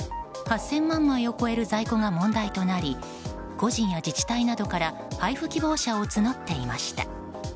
８０００万枚を超える在庫が問題となり個人や自治体などから配布希望者を募っていました。